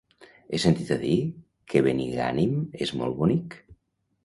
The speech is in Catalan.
He sentit a dir que Benigànim és molt bonic.